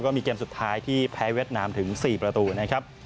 ก็มีเกมสุดท้ายที่แพ้เวียดนามถึง๔ประตูนะครับ